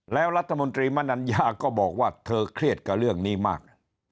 แล้วรัฐมนตรีมนัญญาก็บอกว่าเธอเครียดกับเรื่องนี้มาก